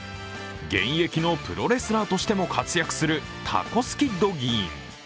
現役のプロレスラーとしても活躍するタコスキッド議員。